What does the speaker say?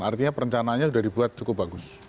artinya perencanaannya sudah dibuat cukup bagus